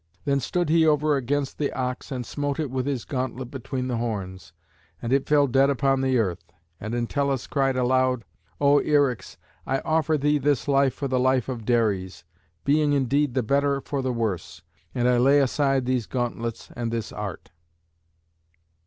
Then stood he over against the ox and smote it with his gauntlet between the horns. And it fell dead upon the earth. And Entellus cried aloud, "O Eryx, I offer thee this life for the life of Dares, being indeed the better for the worse. And I lay aside these gauntlets and this art."